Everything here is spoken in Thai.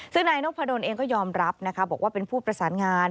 ซึ่งนายนพดลเองก็ยอมรับนะคะบอกว่าเป็นผู้ประสานงาน